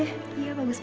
bisinya bagus banget ya